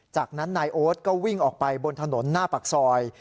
จากนั้นนายโอ๊ตก็วิ่งออกไปบนถนนหน้าปากซอย